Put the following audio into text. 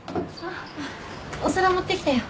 あっお皿持ってきたよ。